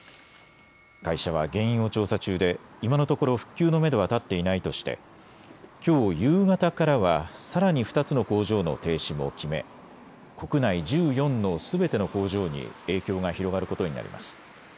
会社は原因を調査中で今のところ復旧のめどは立っていないとしてきょう夕方からは、さらに２つの工場の停止も決め、国内１４のすべての工場に影響が広がることになります。